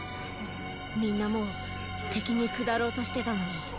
みんなもう敵に降ろうとしてたのに。